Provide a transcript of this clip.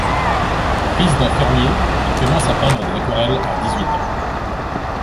Fils d'un fermier, il commence à peindre des aquarelles à dix-huit ans.